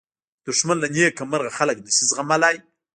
دښمن له نېکمرغه خلک نه شي زغملی